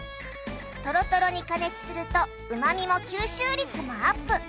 とろとろに加熱するとうまみも吸収率もアップ。